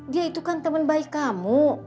dia itu kan teman baik kamu